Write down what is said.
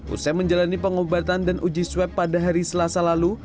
usai menjalani pengobatan dan uji swab pada hari selasa lalu